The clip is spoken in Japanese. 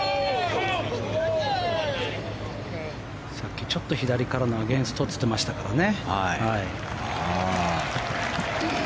さっきちょっと左からのアゲンストって言ってましたからね。